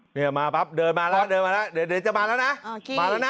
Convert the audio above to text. เนี่ยมาปั๊บเดินมาแล้วเดินมาแล้วเดี๋ยวจะมาแล้วนะมาแล้วนะ